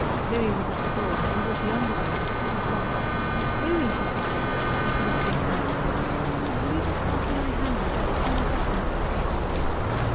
Louis was at the door ... he was beyond the door ... she was lost. "Louis!" she cried. He put his face in at the door. "Will you just pass me my hand mirror. It's on the dressing table."